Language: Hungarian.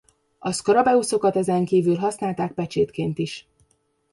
A szkarabeuszokat ezenkívül használták pecsétként is.